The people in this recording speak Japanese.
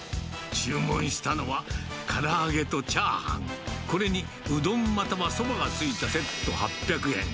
注文したのは、唐揚げとチャーハン、これにうどんまたはそばがついたセット８００円。